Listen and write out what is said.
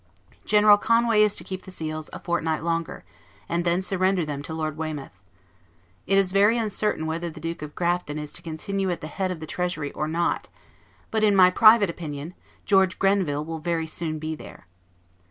General Canway is to keep the seals a fortnight longer, and then to surrender them to Lord Weymouth. It is very uncertain whether the Duke of Grafton is to continue at the head of the Treasury or not; but, in my private opinion, George Grenville will very soon be there.